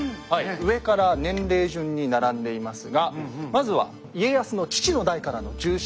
上から年齢順に並んでいますがまずは家康の父の代からの重臣